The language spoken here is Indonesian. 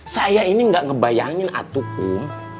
saya ini gak ngebayangin aduh kum